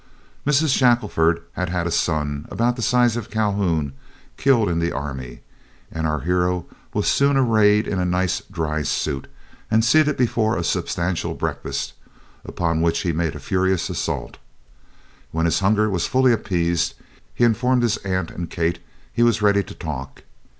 Mrs. Shackelford had had a son about the size of Calhoun killed in the army, and our hero was soon arrayed in a nice dry suit, and seated before a substantial breakfast, upon which he made a furious assault. When his hunger was fully appeased, he informed his aunt and Kate he was ready to talk.